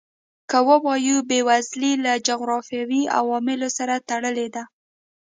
که ووایو بېوزلي له جغرافیوي عواملو سره تړلې ده.